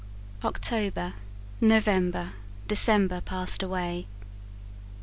October, November, December passed away.